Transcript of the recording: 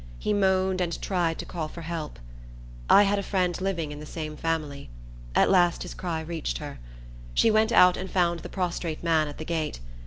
He moaned, and tried to call for help. I had a friend living in the same family. At last his cry reached her. She went out and found the prostrate man at the gate.